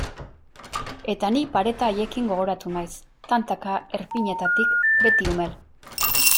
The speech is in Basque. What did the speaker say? Eta ni pareta haiekin gogoratu naiz, tantaka erpinetatik, beti umel.